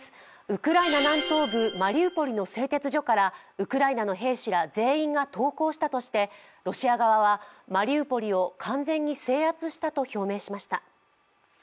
ウクライナ南東部マリウポリの製鉄所からウクライナの兵士ら全員が投降したとしてロシア側はマリウポリを完全に制圧したと表明しました。